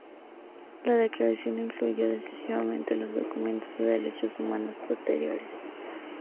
La Declaración influyó decisivamente los documentos de derechos humanos posteriores.